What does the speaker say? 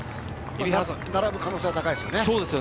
並ぶ可能性が高いですよね。